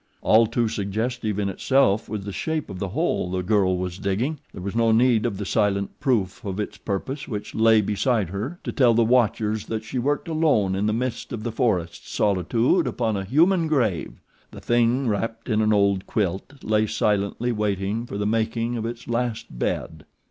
All too suggestive in itself was the shape of the hole the girl was digging; there was no need of the silent proof of its purpose which lay beside her to tell the watchers that she worked alone in the midst of the forest solitude upon a human grave. The thing wrapped in an old quilt lay silently waiting for the making of its last bed.